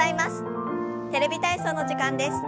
「テレビ体操」の時間です。